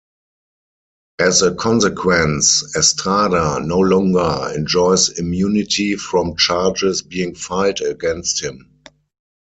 As a consequence, Estrada no longer enjoys immunity from charges being filed against him.